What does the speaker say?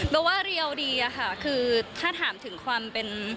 ว่าเรียวดีอะค่ะคือถ้าถามถึงความเป็น